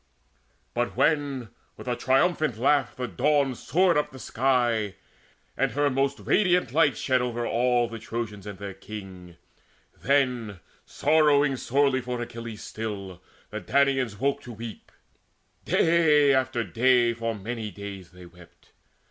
But when with a triumphant laugh the Dawn Soared up the sky, and her most radiant light Shed over all the Trojans and their king, Then, sorrowing sorely for Achilles still, The Danaans woke to weep. Day after day, For many days they wept.